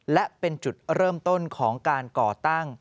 และเป็นจุดเริ่มต้นของการก่อตั้ง